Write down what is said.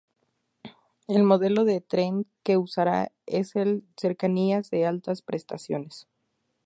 El modelo de tren que usará es el "cercanías de altas prestaciones".